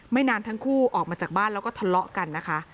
นานทั้งคู่ออกมาจากบ้านแล้วก็ทะเลาะกันนะคะ